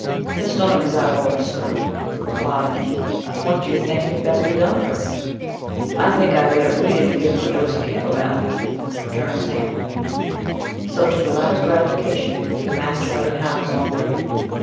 "His stomach is out of order, sir," he replied. "What do you think had best be done for him?" "I think I better bleed him and give him a dose of calomel," returned Sam. So to the latter's gratification the master let him have his own way.